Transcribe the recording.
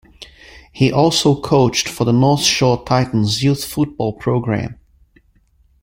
He also coached for the North Shore Titans youth football program.